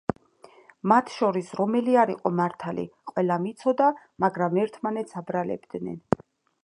მათ შორის რომელი არ იყო მართალი, ყველამ იცოდა, მაგრამ ერთმანეთს აბრალებდნენ.